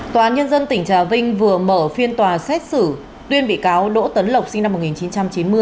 tòa án nhân dân tỉnh trà vinh vừa mở phiên tòa xét xử tuyên bị cáo đỗ tấn lộc sinh năm một nghìn chín trăm chín mươi